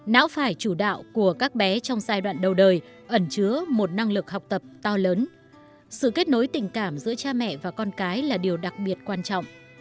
não phải chủ đạo của các bé trong giai đoạn đầu đời ẩn chứa một năng lực học tập to lớn sự kết nối tình cảm giữa cha mẹ và con cái là điều đặc biệt quan trọng